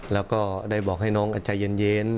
แล้วก็ได้บอกให้น้องใจเย็น